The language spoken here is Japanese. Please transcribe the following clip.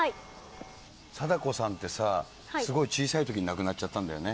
禎子さんってさ、すごい小さいときに亡くなっちゃったんだよね。